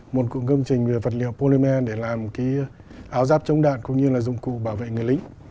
một cụm công trình về vật liệu polymer để làm cái áo giáp chống đạn cũng như là dụng cụ bảo vệ người lính